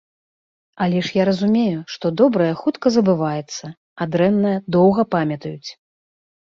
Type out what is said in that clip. Але ж я разумею, што добрае хутка забываецца, а дрэннае доўга памятаюць!